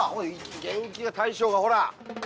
元気な大将がほら。